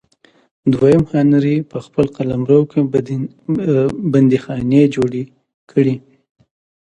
دویم هانري په خپل قلمرو کې بندیخانې جوړې کړې.